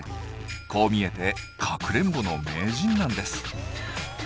こう見えてかくれんぼの名人なんです。